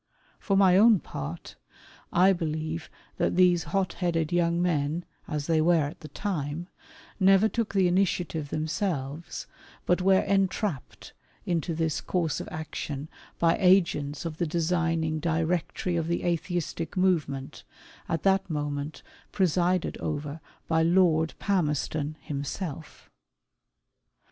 For my own part, I believe that these hot headed young men, as they were at the time, never took the initiative themselves, but were entrapped into this course of action by agents of the designing Directory of the Atheistic movement, at that moment presided over by Lord Palmerston himself.